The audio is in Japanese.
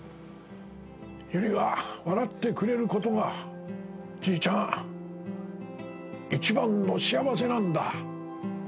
百合は笑ってくれることがじいちゃん一番の幸せなんだ。